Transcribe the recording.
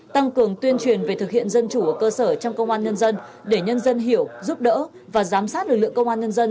tăng cường tuyên truyền về thực hiện dân chủ ở cơ sở trong công an nhân dân để nhân dân hiểu giúp đỡ và giám sát lực lượng công an nhân dân